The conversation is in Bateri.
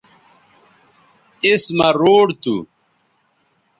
اس مہ روڈ تھو